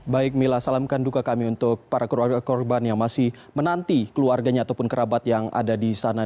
baik mila salamkan duka kami untuk para keluarga korban yang masih menanti keluarganya ataupun kerabat yang ada di sana